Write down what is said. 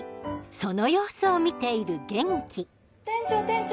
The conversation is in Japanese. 店長店長！